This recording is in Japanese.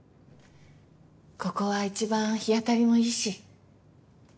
ここは一番日当たりもいいし。